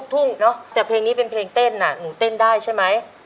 แต่เพลงนี้เป็นเพลงเต้นน่ะนูเต้นได้ใช่ไหม